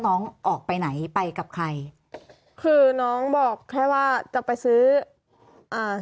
น้องออกไปไหนไปกับใครคือน้องบอกแค่ว่าจะไปซื้ออ่า